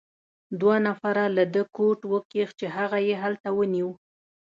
دوو نفر له ده کوټ وکیښ، چې هغه يې هلته ونیو.